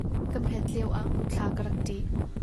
Ka hmet lioah muthla ka rak ṭih.